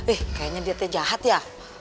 ih kayaknya dia jahat ya